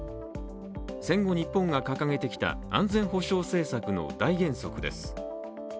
戦後日本が掲げてきた安全保障政策の大原則です。